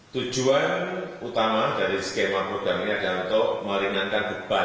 tujuan utama dari skema program ini adalah untuk meringankan beban